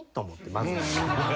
まず。